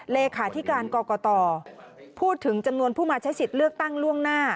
เลขาธิการกรกตพูดถึงจำนวนผู้มาใช้สิทธิ์เลือกตั้งล่วงหน้า